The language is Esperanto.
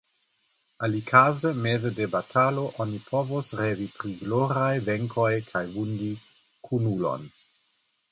Alikaze meze de batalo oni povus revi pri gloraj venkoj kaj vundi kunulon.